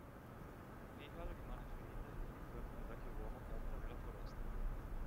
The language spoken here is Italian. Nihal rimane ferita e viene curata da un vecchio uomo che abita nella foresta.